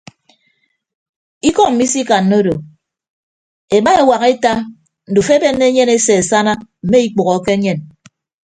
Ikọ mmi isikanna odo ema eñwak eta ndufo ebenne enyen ese asana mme ikpәhoke enyen.